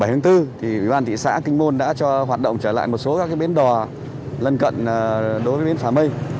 bản tỉnh xã kinh môn đã cho hoạt động trở lại một số các bến đò lân cận đối với bến phả mây